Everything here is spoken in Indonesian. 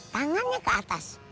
tangannya ke atas